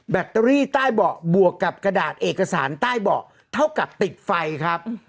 ตเตอรี่ใต้เบาะบวกกับกระดาษเอกสารใต้เบาะเท่ากับติดไฟครับ